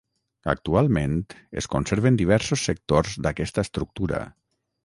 Actualment es conserven diversos sectors d'aquesta estructura.